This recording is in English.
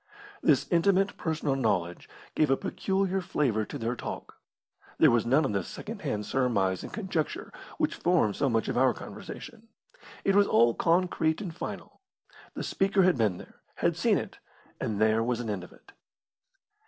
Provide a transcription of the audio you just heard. This intimate personal knowledge gave a peculiar flavour to their talk. There was none of the second hand surmise and conjecture which form so much of our conversation; it was all concrete and final. The speaker had been there, had seen it, and there was an end of it.